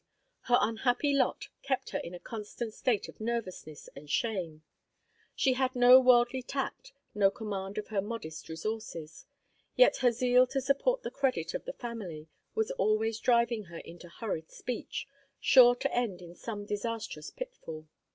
Her unhappy lot kept her in a constant state of nervousness and shame. She had no worldly tact, no command of her modest resources, yet her zeal to support the credit of the family was always driving her into hurried speech, sure to end in some disastrous pitfall.